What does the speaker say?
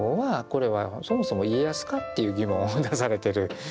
これはそもそも家康か？っていう疑問を出されてる。